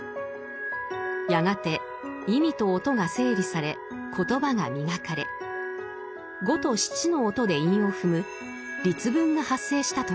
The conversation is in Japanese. やがて意味と音が整理され言葉が磨かれ五と七の音で韻を踏む「律文」が発生したといいます。